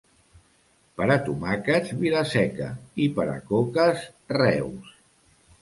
Per a tomàquets, Vila-seca, i per a coques, Reus.